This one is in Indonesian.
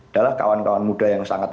adalah kawan kawan muda yang sangat